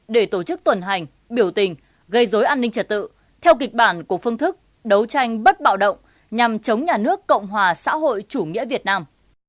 để tổ chức tuần hành biểu tình gây dối an ninh trật tự theo kịch bản của phương thức đấu tranh bất bạo động nhằm chống nhà nước cộng hòa xã hội chủ nghĩa việt nam